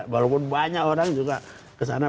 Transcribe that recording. walaupun banyak orang juga kesana